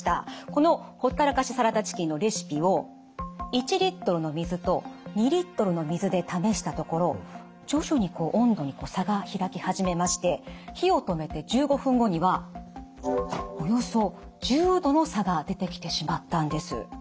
このほったらかしサラダチキンのレシピを１リットルの水と２リットルの水で試したところ徐々に温度に差が開き始めまして火を止めて１５分後にはおよそ１０℃の差が出てきてしまったんです。